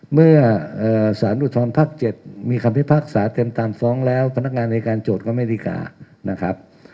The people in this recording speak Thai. เมื่อสานุทรภักดิ์๗มีคำพิพักษาเต็มตามฟ้องแล้วพนักงานในการโจทย์ก็ไม่รีกา